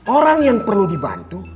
orang yang perlu dibantu